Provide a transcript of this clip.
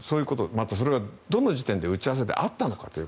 また、それがどの時点で打ち合わせであったのか。